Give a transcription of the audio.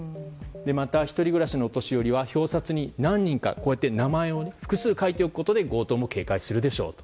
また、１人暮らしのお年寄りは表札に何人か名前を複数書いておくことで強盗も警戒するでしょうと。